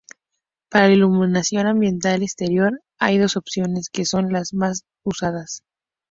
Para la iluminación ambiental exterior hay dos opciones que son las más usadas.